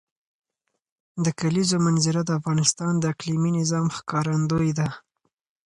د کلیزو منظره د افغانستان د اقلیمي نظام ښکارندوی ده.